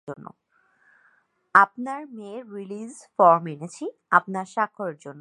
আপনার মেয়ের release form এনেছি আপনার স্বাক্ষরের জন্য।